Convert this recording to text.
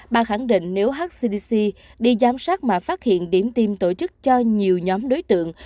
bà khẳng định nếu hcdc đi giám sát mà phát hiện điểm tim tổ chức cho nhiều nhóm đối tượng